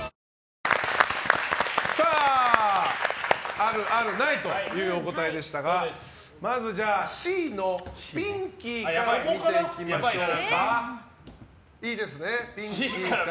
ある、ある、ないというお答えでしたがまず、Ｃのピンキーから見ていきましょうか。